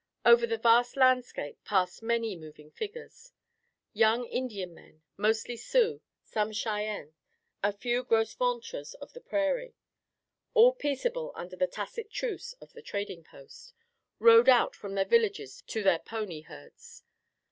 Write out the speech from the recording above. Over the vast landscape passed many moving figures. Young Indian men, mostly Sioux, some Cheyennes, a few Gros Ventres of the Prairie, all peaceable under the tacit truce of the trading post, rode out from their villages to their pony herds.